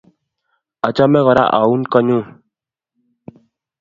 Achame kora aun ko nyun.